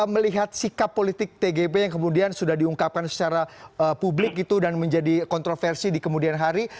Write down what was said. melihat sikap politik tgb yang kemudian sudah diungkapkan secara publik gitu dan menjadi kontroversi di kemudian hari